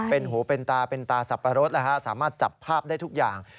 เป็นแถวที่เขาเป็นตาสับปรสสามารถจับภาพได้ทุกอย่าง